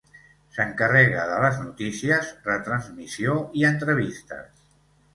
S'encarrega de les notícies, retransmissió i entrevistes.